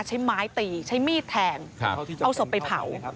ใช้ไม้ตีใช้มีดแทงเอาศพไปเผา